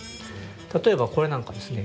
例えばこれなんかですね